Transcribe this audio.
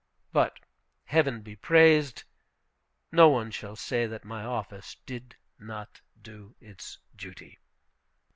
But, Heaven be praised, no one shall say that my office did not do its duty!